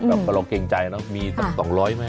หากเราเกรงใจมีต่อไม่รก๒๐๐แม่